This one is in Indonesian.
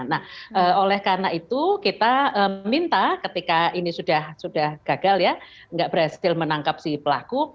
nah oleh karena itu kita minta ketika ini sudah gagal ya nggak berhasil menangkap si pelaku